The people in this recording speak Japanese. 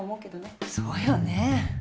そうよね。